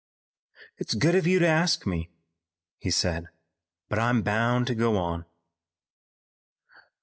"It's good of you to ask me," he said, "but I'm bound to go on."